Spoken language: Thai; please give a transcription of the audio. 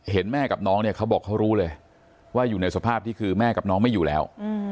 แม่กับน้องเนี่ยเขาบอกเขารู้เลยว่าอยู่ในสภาพที่คือแม่กับน้องไม่อยู่แล้ว